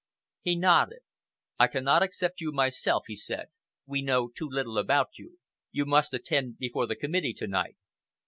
He nodded. "I cannot accept you myself," he said. "We know too little about you. You must attend before the committee to night."